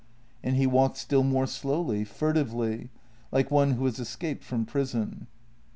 And he walked still more slowly, furtively, like one who has escaped from prison.